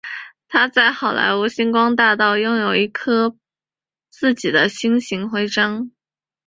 他在好莱坞星光大道拥有一颗自己的星形徽章。